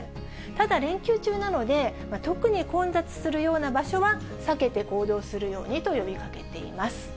ただ連休中なので、特に混雑するような場所は避けて行動するようにと呼びかけています。